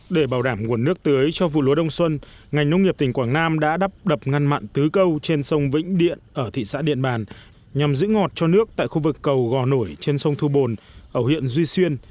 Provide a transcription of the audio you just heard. để bảo đảm nguồn nước tưới cho vụ lúa đông xuân ngành nông nghiệp tỉnh quảng nam đã đắp đập ngăn mặn tứ câu trên sông vĩnh điện ở thị xã điện bàn nhằm giữ ngọt cho nước tại khu vực cầu gò nổi trên sông thu bồn ở huyện duy xuyên